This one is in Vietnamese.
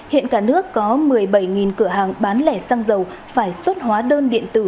hiện cả nước có một mươi bảy cửa hàng bán lẻ xăng dầu phải xuất hóa đơn điện tử